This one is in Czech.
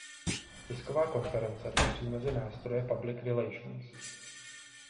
Tisková konference patří mezi nástroje public relations.